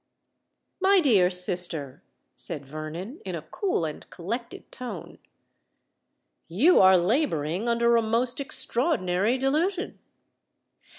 "My dear sister," said Vernon, in a cool and collected tone, "you are labouring under a most extraordinary delusion.